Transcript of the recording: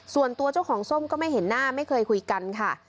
ส่วนตัวเจ้าของส้มก็ไม่เห็นหน้าไม่เคยคุยกันค่ะ